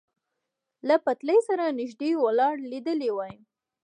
له پټلۍ سره نږدې ولاړ لیدلی وای.